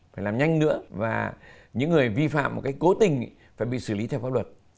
phải làm nhanh nữa và những người vi phạm một cái cố tình phải bị xử lý theo pháp luật